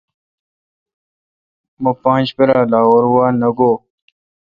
مہ پانچ پرا°لاہور وہ نہ گوئ۔